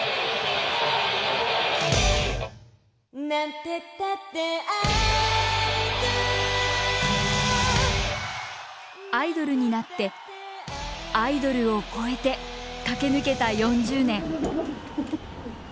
「なんてたってアイドル」アイドルになってアイドルを超えて駆け抜けた４０年。